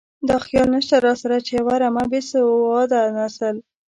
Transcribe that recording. دا خیال نشته راسره چې یوه رمه بې سواده نسل.